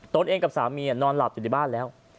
เองกับสามีนอนหลับอยู่ในบ้านแล้ว